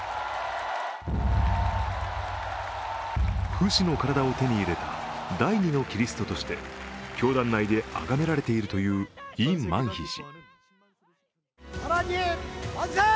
不死の体を手に入れた第２のキリストとして教団内であがめられているというイ・マンヒ氏。